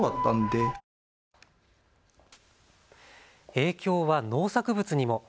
影響は農作物にも。